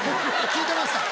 聞いてます